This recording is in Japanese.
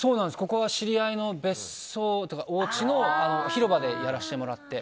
知り合いの別荘というかおうちの広場でやらせてもらって。